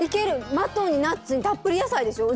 マトンにナッツにたっぷり野菜でしょ。